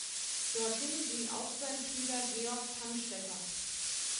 Dorthin ging auch sein Schüler Georg Tannstetter.